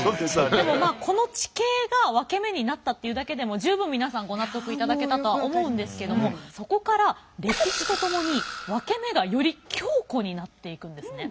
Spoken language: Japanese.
でもまあこの地形がワケメになったっていうだけでも十分皆さんご納得いただけたとは思うんですけどもそこから歴史とともにワケメがより強固になっていくんですね。